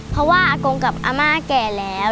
เพราะว่าอากงกับอาม่าแก่แล้ว